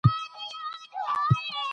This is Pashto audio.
دا لویه غلطي ده چي مشران بې عیبه وګڼو.